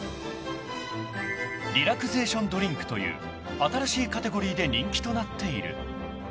［リラクセーションドリンクという新しいカテゴリーで人気となっている］